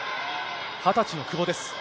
２０歳の久保です。